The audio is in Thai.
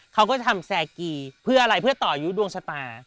เขาก็จะทำแซกีเพื่ออะไรเพื่อต่ออายุดวงชะตา